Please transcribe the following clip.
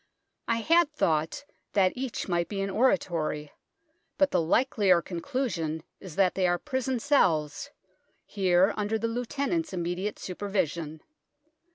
I had thought that each might be an oratory, but the likelier conclu sion is that they are prison cells, here under the Lieutenant's immediate supervision.